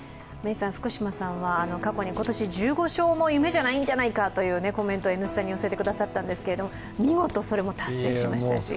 福島さんは過去に大谷は１５勝も夢じゃないんじゃないかと「Ｎスタ」に寄せてくださったんですが、見事それも達成しましたし。